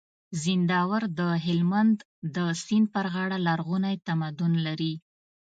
زينداور د هلمند د سيند پر غاړه لرغونی تمدن لري